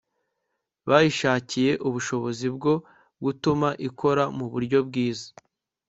bayishakiye ubushobozi bwo gutuma ikora mu buryo bwiza